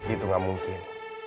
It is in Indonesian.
itu gak mungkin